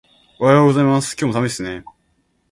おはようございます。今日も寒いですね。